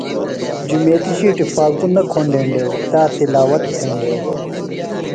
جُمیتیۡ شِیٹیۡ فالتوۡ نہ کُھنڈینڈیوۡ۔ تا تلاوت تھینڈیوۡ۔